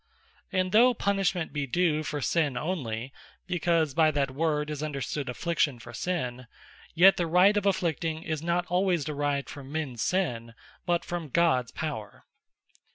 And though Punishment be due for Sinne onely, because by that word is understood Affliction for Sinne; yet the Right of Afflicting, is not alwayes derived from mens Sinne, but from Gods Power.